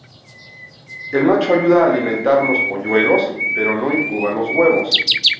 El macho ayuda a alimentar los polluelos, pero no incuba los huevos.